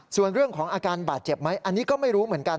ส่วนเรื่องของอาการบาดเจ็บไหมอันนี้ก็ไม่รู้เหมือนกัน